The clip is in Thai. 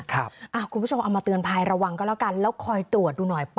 คุณผู้ชมเอามาเตือนภัยระวังก็แล้วกันแล้วคอยตรวจดูหน่อย